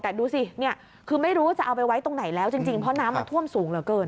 แต่ดูสิเนี่ยคือไม่รู้ว่าจะเอาไปไว้ตรงไหนแล้วจริงเพราะน้ำมันท่วมสูงเหลือเกิน